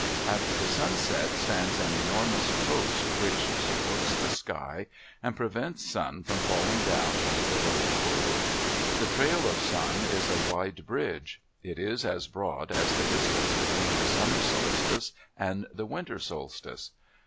At the sunset stands an enormous post which supports the sky and prevents Sun from falling down into the lower world. The trail of Sun is a wide bridge. It is as broad as the distance between the summer solstice and the winter solstice.